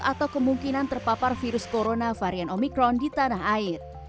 atau kemungkinan terpapar virus corona varian omikron di tanah air